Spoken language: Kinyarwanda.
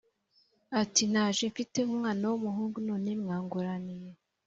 ati 'naje mfite umwana w'umuhungu none mwanguraniye?!